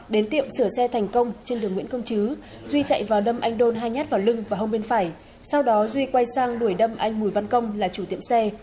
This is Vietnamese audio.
đến tiệm sửa xe thành công trên đường nguyễn công chứ duy chạy vào đâm anh đôn hai nhát vào lưng và hông bên phải sau đó duy quay sang đuổi đâm anh bùi văn công là chủ tiệm xe